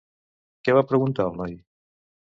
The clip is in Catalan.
Què va preguntar el noi?